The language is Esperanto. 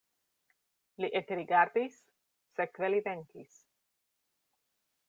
Li ekrigardis, sekve li venkis.